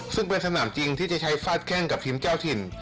ซึ่งเป็นสนามจริงที่จะใช้ฟาดแข้งกับทีมเจ้าถิ่น